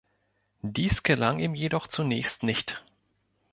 Dies gelang ihm jedoch zunächst nicht.